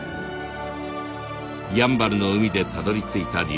やんばるの海でたどりついた竜